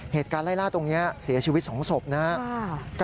เหตุการณ์ไล่ล่าตรงนี้เสียชีวิต๒ศพนะครับ